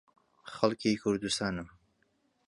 خەڵکی کوردستانم.